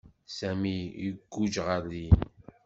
Sami iguǧǧ ɣer din.